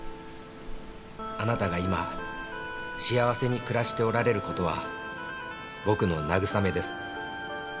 「あなたが今幸せに暮らしておられる事は僕の慰めです」